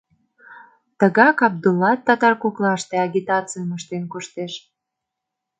Тыгак Абдуллат татар коклаште агитацийым ыштен коштеш.